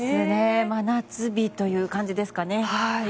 真夏日という感じですかね。